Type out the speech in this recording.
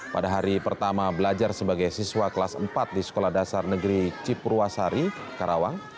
pada hari pertama belajar sebagai siswa kelas empat di sekolah dasar negeri cipurwasari karawang